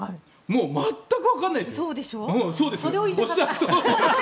全くわからないです。